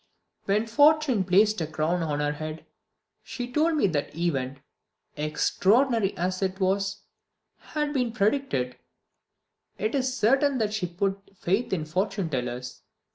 When fortune placed a crown on her head she told me that the event, extraordinary as it was, had been predicted: It is certain that she put faith in fortune tellers.